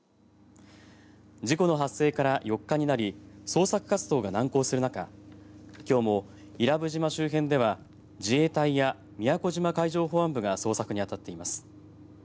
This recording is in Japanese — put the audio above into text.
事故の発生から４日になり捜索活動が難航する中きょうも伊良部島周辺では自衛隊や宮古島海上保安部が捜索に当たっています。